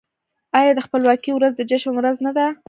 آیا د خپلواکۍ ورځ د جشن ورځ نه ده؟